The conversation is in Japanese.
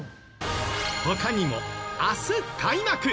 他にも明日開幕！